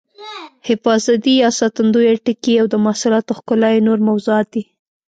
حفاظتي یا ساتندویه ټکي او د محصولاتو ښکلا یې نور موضوعات دي.